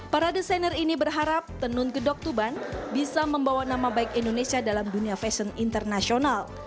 para desainer ini berharap tenun gedok tuban bisa membawa nama baik indonesia dalam dunia fashion internasional